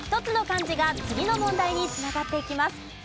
１つの漢字が次の問題に繋がっていきます。